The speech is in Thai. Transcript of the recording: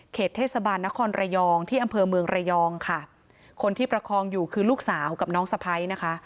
เทศบาลนครระยองที่อำเภอเมืองระยองค่ะคนที่ประคองอยู่คือลูกสาวกับน้องสะพ้ายนะคะ